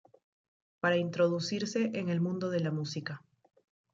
Para introducirse en el mundo de la música.